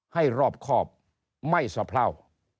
ให้รอบคอบไม่สะพร่าว